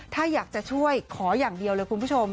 ถ้าอยากจะช่วยขออย่างเดียวเลยคุณผู้ชม